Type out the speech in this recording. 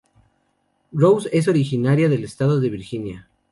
Rose es originaria del Estado de Virginia.